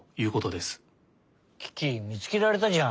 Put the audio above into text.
キキみつけられたじゃん。